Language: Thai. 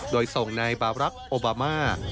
โดยส่งนายบารักษ์โอบามา